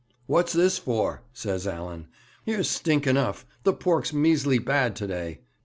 'What's this for?' says Allan. 'Here's stink enough. The pork's measly bad to day!'